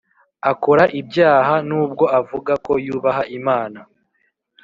Akora ibyaha nubwo avuga ko yubaha Imana